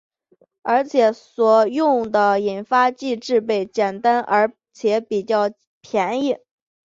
而且所用的引发剂制备简单而且比较便宜。